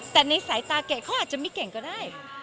แต่ในสายตาเก๋เขาอาจจะไม่เก่งก็ได้